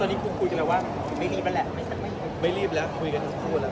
ตอนนี้คุณคุยกันแล้วว่าไม่รีบแล้วคุยกันทั้งสองแล้วครับ